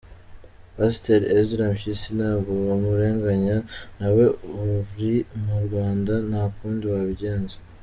-Pasteur Ezra Mpyisi ntabwo wamurenganya nawe uri mu Rwanda nta kundi wabigenza